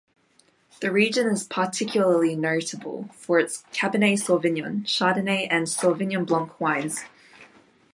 The region is particularly notable for its Cabernet Sauvignon, Chardonnay and Sauvignon blanc wines.